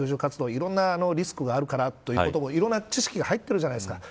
いろんなリスクがあるからということもいろんな知識が入っているじゃないですか。